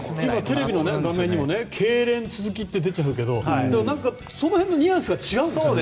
テレビの画面にもけいれん続きって出てるけどその辺のニュアンスが違うんですよね。